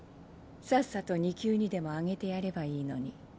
さっさと２級にでも上げてやればいいのに。